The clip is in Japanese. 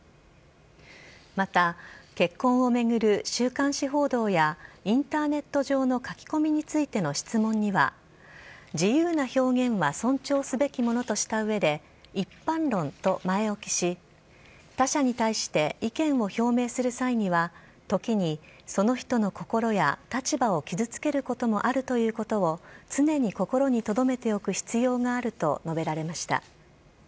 また、結婚を巡る週刊誌報道や、インターネット上の書き込みについての質問には、自由な表現は尊重すべきものとしたうえで、一般論と前置きし、他者に対して意見を表明する際には、時にその人の心や立場を傷つけることもあるということを、常に心にとどめておく必要があると述べられました。